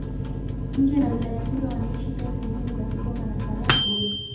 Nje na wilaya hizo wanaishi pia sehemu za Kigoma na Karagwe.